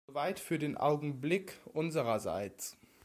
Soweit für den Augenblick unsererseits.